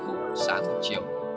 cũng sáng cũng chiều